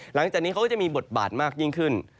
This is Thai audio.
หลังจากนี้เขาก็จะมีบทบาทมากยิ่งขึ้น